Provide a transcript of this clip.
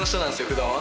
「ふだんは」。